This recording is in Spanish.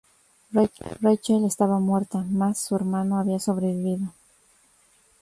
Rachel estaba muerta, mas su hermano había sobrevivido.